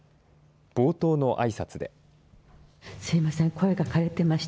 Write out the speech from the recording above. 冒頭のあいさつで。